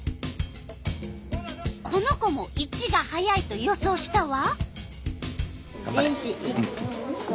この子も①が速いと予想したわ。